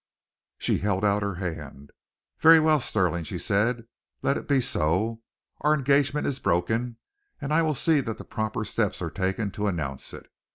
She held out her hand. "Very well, Stirling," she said, "let it be so. Our engagement is broken, and I will see that the proper steps are taken to announce it.